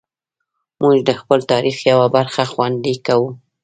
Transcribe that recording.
موږ د خپل تاریخ یوه برخه خوندي کوو.